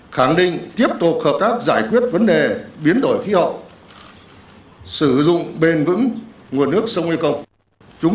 khẳng định tiếp tục hợp tác giải quyết vấn đề biến đổi khí hậu sử dụng bền vững nguồn nước sông mekong